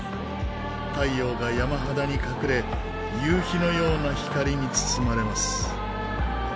太陽が山肌に隠れ夕日のような光に包まれます。